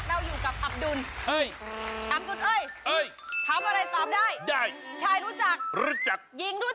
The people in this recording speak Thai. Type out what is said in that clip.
อ่ะวันนี้ค่ะเราอยู่กับอับดุ้น